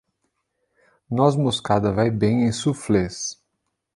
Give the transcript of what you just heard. Noz-moscada vai bem em suflês